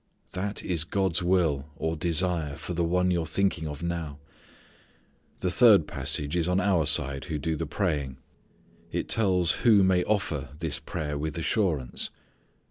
That is God's will, or desire, for the one you are thinking of now. The third passage is on our side who do the praying. It tells who may offer this prayer with assurance.